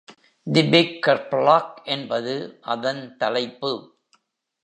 "தி big kerplop" என்பது அதன் தலைப்பு